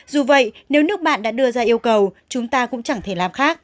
dù vậy nếu nước bạn đã đưa ra yêu cầu chúng ta cũng chẳng thể làm khác